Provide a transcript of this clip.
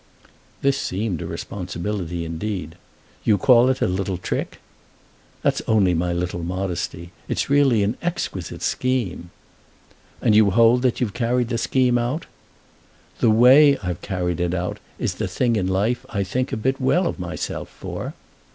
This seemed a responsibility indeed. "You call it a little trick?" "That's only my little modesty. It's really an exquisite scheme." "And you hold that you've carried the scheme out?" "The way I've carried it out is the thing in life I think a bit well of myself for."